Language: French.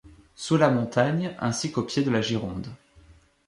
Sous la Montagne ainsi qu'aux pieds de la Gironde